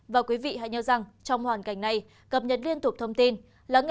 và quý vị hãy nhớ rằng trong hoàn cảnh này cập nhật liên tục thông tin